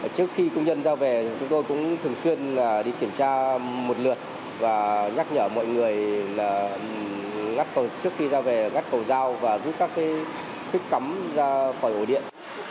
trước khi công nhân ra về chúng tôi cũng thường xuyên đi kiểm tra một lượt và nhắc nhở mọi người trước khi ra về ngắt cầu dao và giúp các thích cấm ra khỏi ổ điện